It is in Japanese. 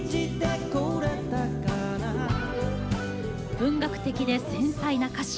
文学的で繊細な歌詞。